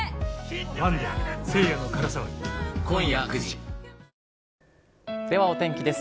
２１ではお天気です。